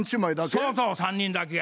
そうそう３人だけや。